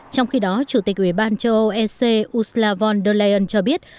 trong khi đó chủ tịch ủy ban châu âu ec ursula von der leyen cho biết